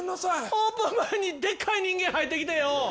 オープン前にでっかい人間入ってきてよ。